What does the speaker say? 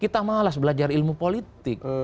kita malas belajar ilmu politik